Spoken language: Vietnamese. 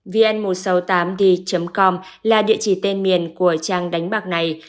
vn một trăm sáu mươi tám d com là địa chỉ tên miền của trang đánh bạc này